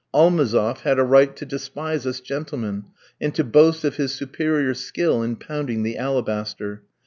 Almazoff had a right to despise us gentlemen, and to boast of his superior skill in pounding the alabaster.